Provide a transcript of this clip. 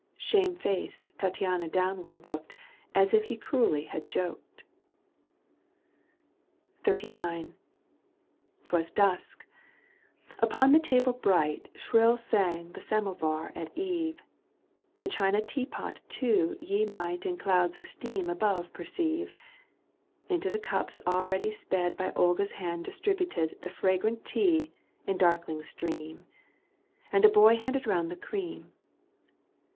Shamefaced, Tattiana downward looked As if he cruelly had joked ! XXXIX. Twas dusk ! Upon the table bright Shrill sang the samovar at eve, The china teapot too ye might In clouds of steam above perceive. Into the cups already sped By Olga's hand distributed The fragrant tea in darkling stream. And a boy handed round the cream.